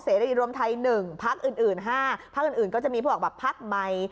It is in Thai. เสร็จดีรวมไทยหนึ่งพักอื่นอื่นห้าพักอื่นอื่นก็จะมีพวกแบบพักใหม่